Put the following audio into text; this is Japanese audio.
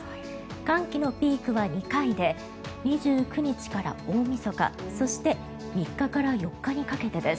寒気のピークは２回で２９日から大みそか、そして３日から４日にかけてです。